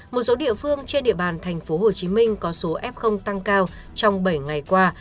một số địa phương trên địa bàn tp hcm có số f tăng cao trong bảy ngày qua